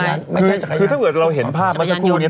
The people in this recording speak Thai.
ไม่ใช่คือถ้าเกิดเราเห็นภาพมาสักครู่นี้